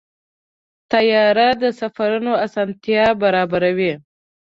طیاره د سفرونو اسانتیا برابروي.